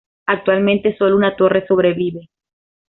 Actualmente, sólo una torre sobrevive.